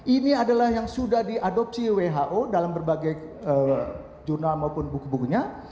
ini adalah yang sudah diadopsi who dalam berbagai jurnal maupun buku bukunya